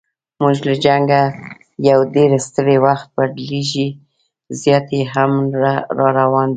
موږ له جنګه یو ډېر ستړي، وخت بدلیږي زیاتي امن را روان دی